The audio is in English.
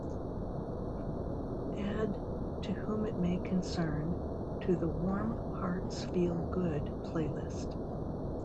Add to whom it may concern to the Warm Hearts Feel Good playlist.